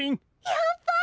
やっぱり。